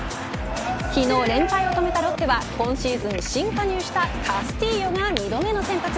昨日連敗を止めたロッテは今シーズン新加入したカスティーヨが２度目の先発。